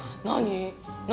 何？